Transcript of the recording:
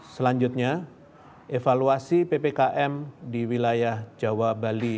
selanjutnya evaluasi ppkm di wilayah jawa bali